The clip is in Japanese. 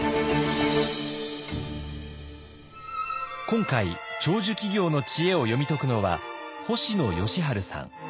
今回長寿企業の知恵を読み解くのは星野佳路さん。